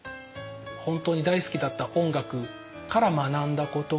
本当に大好きだった音楽から学んだこと。